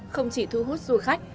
không chỉ thu hút du khách